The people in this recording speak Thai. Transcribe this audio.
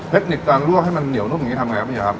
เทคนิคการลวกให้มันเหนียวนุ่มอย่างนี้ทำยังไงครับพี่เฮครับ